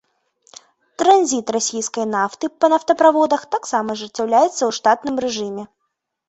Транзіт расійскай нафты па нафтаправодах таксама ажыццяўляецца ў штатным рэжыме.